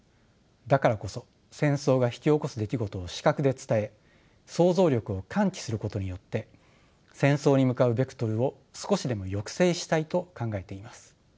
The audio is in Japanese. だからこそ戦争が引き起こす出来事を視覚で伝え想像力を喚起することによって戦争に向かうベクトルを少しでも抑制したいと考えています。